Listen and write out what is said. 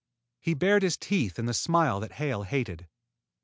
He bared his teeth in the smile that Hale hated.